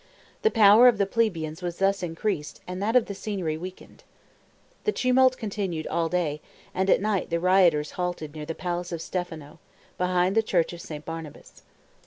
The power of the plebeians was thus increased and that of the Signory weakened. The tumult continued all day, and at night the rioters halted near the palace of Stefano, behind the church of St. Barnabas.